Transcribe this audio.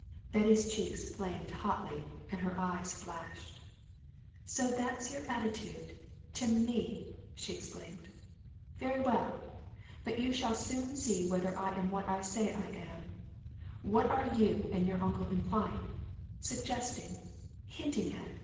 Betty's cheeks flamed hotly and her eyes flashed. "So that's your attitude to me!" she exclaimed. "Very well! But you shall soon see whether I am what I say I am. What are you and your uncle implying, suggesting, hinting at?"